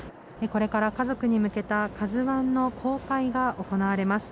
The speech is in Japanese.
これから家族に向けた「ＫＡＺＵ１」の公開が行われます。